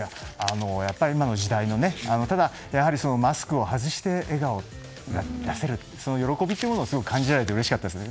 やっぱり今の時代マスクを外して笑顔を出せる喜びというものを感じられてうれしかったですね。